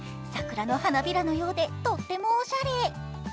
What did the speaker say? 桜の花びらのようでとってもおしゃれ。